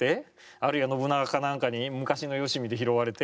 あるいは信長かなんかに昔のよしみで拾われて。